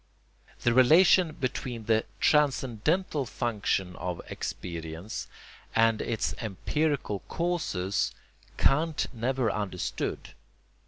The relation between the transcendental function of experience and its empirical causes Kant never understood.